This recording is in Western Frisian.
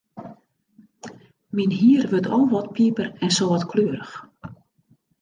Myn hier wurdt al wat piper-en-sâltkleurich.